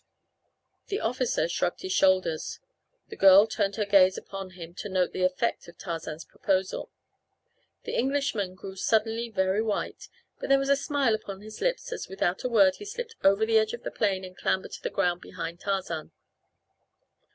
The officer shrugged his shoulders. The girl turned her gaze upon him to note the effect of Tarzan's proposal. The Englishman grew suddenly very white, but there was a smile upon his lips as without a word he slipped over the edge of the plane and clambered to the ground behind Tarzan.